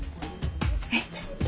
えっ？